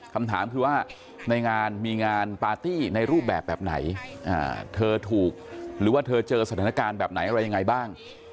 คำถามคือว่าในงานมีงานปาร์ตี้ในรูปแบบแบบไหนเธอถูกหรือว่าเธอเจอสถานการณ์แบบไหนอะไรยังไงบ้าง